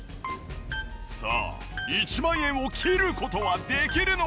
さあ１万円を切る事はできるのか？